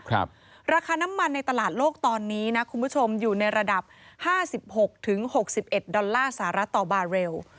ราคาน้ำมันในตลาดโลกตอนนี้นะคุณผู้ชมอยู่ในระดับ๕๖๖๑ดอลลาร์สหรัฐต่อบาร์เรล